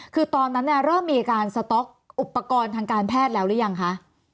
คือตอนนั้นเริ่มมีการสต๊อกอุปกรณ์ทางการแพทย์แล้วหรือยังคะ